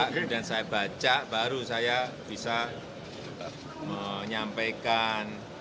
kemudian saya baca baru saya bisa menyampaikan